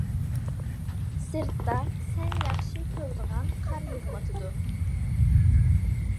سىرتتا سەن ياخشى كۆرىدىغان قار يېغىۋاتىدۇ.